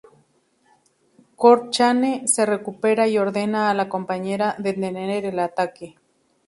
Cochrane se recupera y ordena a la "Compañera" detener el ataque.